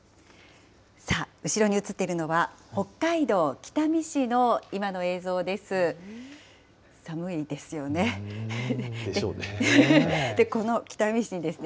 さあ、後ろに映っているのは、北海道北見市の今の映像です。でしょうね。